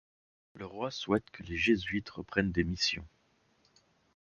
Le roi souhaite que les Jésuites reprennent des Missions.